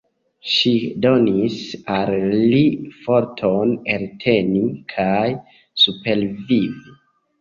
Ŝi donis al li forton elteni kaj supervivi.